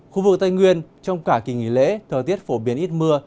khu vực tây nguyên trong cả kỳ nghỉ lễ thời tiết phổ biến ít mưa